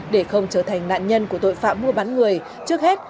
để không trở thành nạn nhân của tội phạm mua bán người trước hết